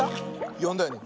よんだよね